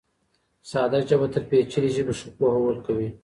ساده ژبه تر پېچلې ژبې ښه پوهول کوي.